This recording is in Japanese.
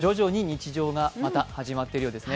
徐々に日常がまた始まっているようですね。